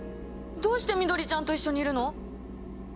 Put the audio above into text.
どうして緑ちゃんと一緒にいるの！？